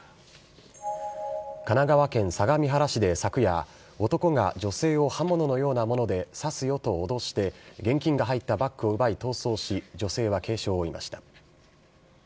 神奈川県相模原市で昨夜、男が女性を刃物のようなもので刺すよと脅して、現金が入ったバッグを奪い逃走し、女性は軽傷を負いました。